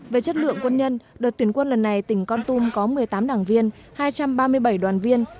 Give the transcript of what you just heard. về chất lượng quân nhân đợt tuyển quân lần này tỉnh con tum có một mươi tám đảng viên hai trăm ba mươi bảy đoàn viên